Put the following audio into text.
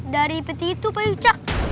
dari peti itu pak icak